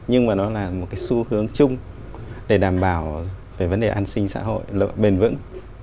nhưng mà nó là một cái xu hướng chung để đảm bảo về vấn đề an sinh xã hội lợi bền vững